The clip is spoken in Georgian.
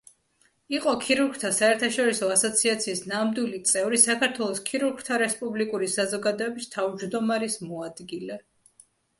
იყო ქირურგთა საერთაშორისო ასოციაციის ნამდვილი წევრი, საქართველოს ქირურგთა რესპუბლიკური საზოგადოების თავმჯდომარის მოადგილე.